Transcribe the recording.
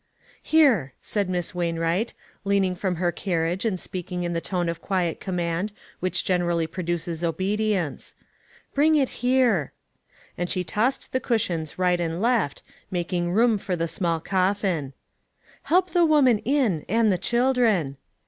" Here," said Miss Wainwright, leaning from her carriage and speaking hi the tone of quiet command which generally produces obedience, " bring it here !" and she tossed the cushions right and left, making room for the small coffin. " Help the woman in, and the children."